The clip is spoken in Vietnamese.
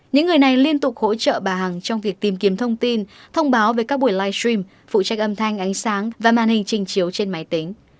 những người này liên tục hỗ trợ bà hằng trong việc tìm kiếm thông tin thông báo về các buổi livestream phụ trách âm thanh ánh sáng và màn hình trình chiếu trên máy tính